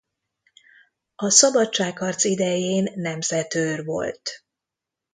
A szabadságharc idején nemzetőr volt.